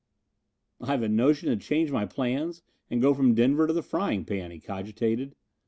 "I've a notion to change my plans and go from Denver to the Frying Pan," he cogitated.